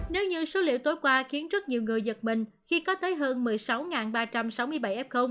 nếu như số liệu tối qua khiến rất nhiều người giật mình khi có tới hơn một mươi sáu ba trăm sáu mươi bảy f